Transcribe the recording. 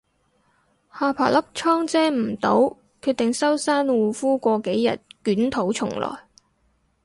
下巴粒瘡遮唔到，決定收山護膚過幾日捲土重來